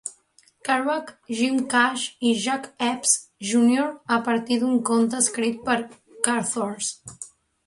Caroak, Jim Cash i Jack Epps, Junior a partir d'un conte escrit per Carothers.